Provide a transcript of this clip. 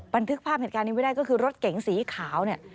บันทึกภาพเหตุการณ์นี้ไว้ได้ก็คือรถเก๋งสีขาวเนี่ย